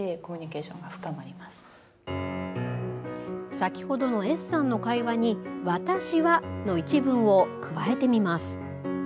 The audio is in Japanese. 先ほどのＳさんの会話に、私はの一文を加えてみます。